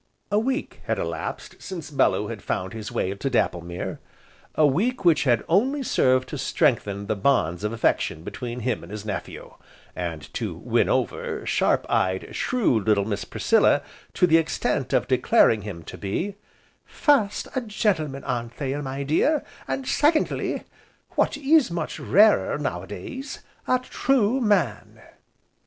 A week had elapsed since Bellew had found his way to Dapplemere, a week which had only served to strengthen the bonds of affection between him and his "nephew," and to win over sharp eyed, shrewd little Miss Priscilla to the extent of declaring him to be: "First a gentleman, Anthea, my dear, and Secondly, what is much rarer, now a days, a true man!"